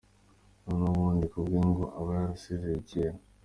Naho ubundi ku bwe ngo aba yarasezeye kera.